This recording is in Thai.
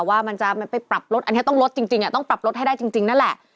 ว่ามันจะไปปรับรถอันนี้ต้องลดจริงต้องปรับรถให้ได้จริงนั่นแหละ